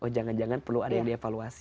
oh jangan jangan perlu ada yang dievaluasi